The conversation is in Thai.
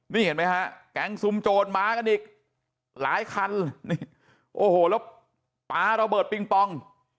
นี่เห็นไหมฮะแก๊งซุมโจรมากันอีกหลายคันโอ้โหแล้วปลาระเบิดปิงปอง